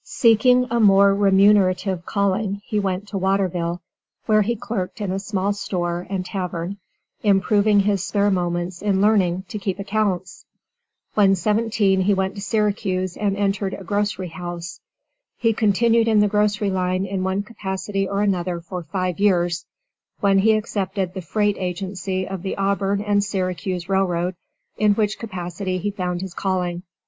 Seeking a more remunerative calling he went to Waterville, where he clerked in a small store and tavern, improving his spare moments in learning to keep accounts. When seventeen he went to Syracuse and entered a grocery house. He continued in the grocery line in one capacity or another for five years, when he accepted the freight agency of the Auburn and Syracuse Railroad, in which capacity he had found his calling.